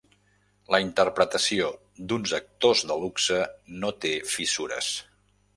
La interpretació d'uns actors de luxe no té fissures.